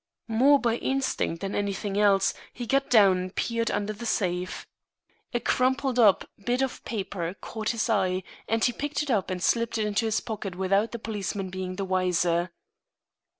More by instinct than anything else, he got down and peered under the safe. A crumpled up bit of paper caught his eye, and he picked it up and slipped it into his pocket without the policeman being the wiser.